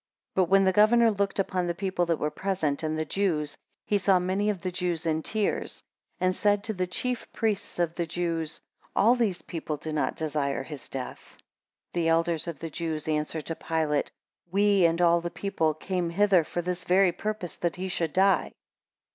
18 But when the governor looked upon the people that were present and the Jews, he saw many of the Jews in tears, and said to the chief priests of the Jews, All the people do not desire his death. 19 The elders of the Jews answered to Pilate, We and all the people came hither for this very purpose, that he should die.